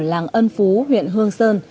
làng ân phú huyện hương sơn